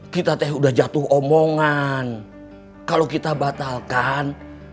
kita teh sudah jatuh omongan kalau kita batalkan